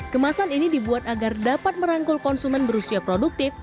kemasan ini dibuat agar dapat merangkul konsumen berusia produktif